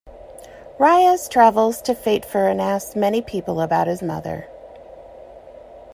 Riyaz travels to Fatehpur and asks many people about his mother.